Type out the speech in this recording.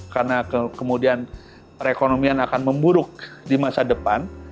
karena kemudian perekonomian akan memburuk di masa depan